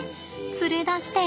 連れ出して。